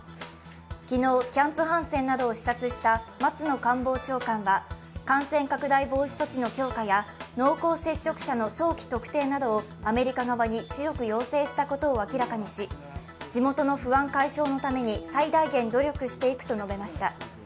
昨日、キャンプ・ハンセンなどを視察した松野官房長官は感染拡大防止措置の強化や濃厚接触者の早期特定などをアメリカ側に強く要請したことを明らかにし地元の不安解消のために最大限努力していくと述べました。